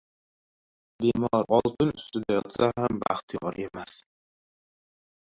• Bemor oltin ustida yotsa ham baxtiyor emas.